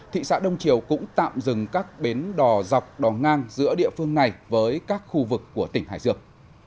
thị xã đông triều cũng tạm dừng các bến đò dọc đò ngang giữa địa phương này với các khu vực của tỉnh hải dương